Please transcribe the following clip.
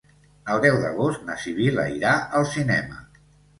El deu d'agost na Sibil·la irà al cinema.